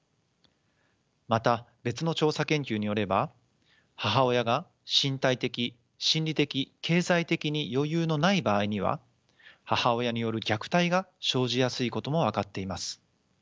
また別の調査研究によれば母親が身体的・心理的・経済的に余裕のない場合には母親による虐待が生じやすいことも分かっています。